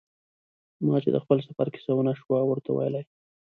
ما چې د خپل سفر کیسه و نه شو ورته ویلای.